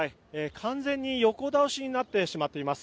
完全に横倒しになってしまっています。